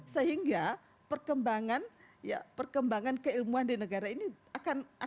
sehingga perkembangan ya perkembangan keilmuan di negara ini akan berjalan